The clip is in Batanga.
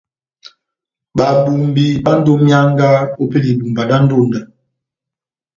Babumbi bandini ó myánga ópɛlɛ ya ibumba dá ndonda.